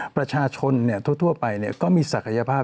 ประชาชนทั่วไปก็มีศักยภาพ